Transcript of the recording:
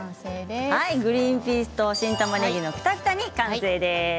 グリンピースと新たまねぎのクタクタ煮完成です。